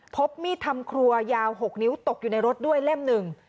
พบมีดทำครัวยาว๖นิ้วตกอยู่ในรถด้วยเล่มหนึ่ง